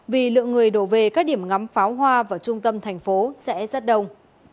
vì lượng người đổ về các điểm ngắm pháo hoa vào trung tâm thành phố sẽ rất đông